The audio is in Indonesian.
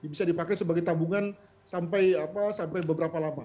bisa dipakai sebagai tabungan sampai beberapa lama